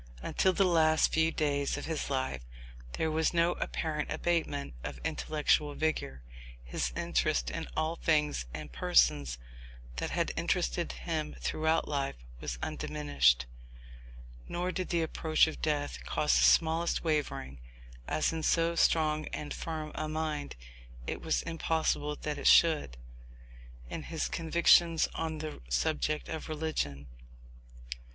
Until the last few days of his life there was no apparent abatement of intellectual vigour; his interest in all things and persons that had interested him through life was undiminished, nor did the approach of death cause the smallest wavering (as in so strong and firm a mind it was impossible that it should) in his convictions on the subject of religion.